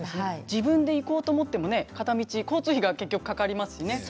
自分で行こうと思っても結局、交通費がかかりますからね。